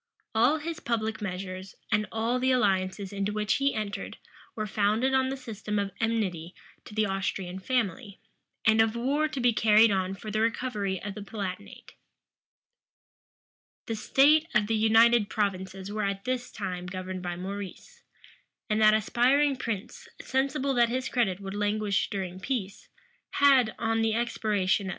All his public measures, and all the alliances into which he entered, were founded on the system of enmity to the Austrian family, and of war to be carried on for the recovery of the Palatinate. The states of the United Provinces were at this time governed by Maurice; and that aspiring prince, sensible that his credit would languish during peace, had, on the expiration of the twelve years' truce, renewed the war with the Spanish monarchy.